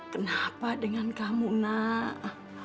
kenapa dengan kamu nak